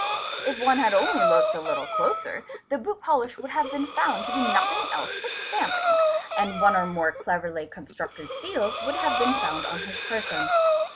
If one had only looked a little closer, the boot polish would have been found to be nothing else but stamp ink, and one or more cleverly constructed seals would have been found on his person.